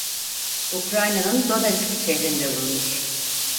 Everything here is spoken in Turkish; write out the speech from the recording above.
Ukrayna'nın Donetsk şehrinde bulunur.